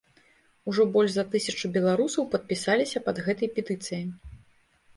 Ужо больш за тысячу беларусаў падпісаліся пад гэтай петыцыяй.